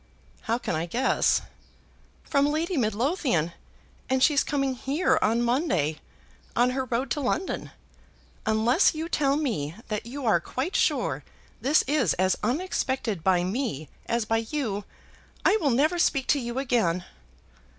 "How can I guess?" "From Lady Midlothian! and she's coming here on Monday, on her road to London. Unless you tell me that you are quite sure this is as unexpected by me as by you, I will never speak to you again."